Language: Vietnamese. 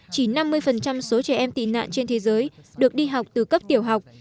chỉ năm mươi số trẻ em tị nạn trên thế giới được đi học từ cấp tiểu học